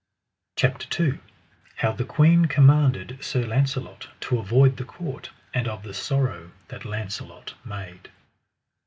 CHAPTER II. How the queen commanded Sir Launcelot to avoid the court, and of the sorrow that Launcelot made.